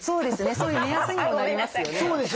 そういう目安にもなりますよね。